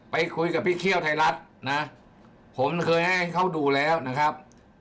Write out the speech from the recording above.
ไปคุยกับพี่เคี่ยวไทยรัฐนะผมเคยให้เขาดูแล้วนะครับ